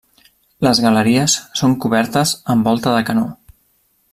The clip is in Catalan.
Les galeries són cobertes amb volta de canó.